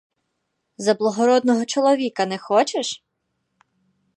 За благородного чоловіка не хочеш?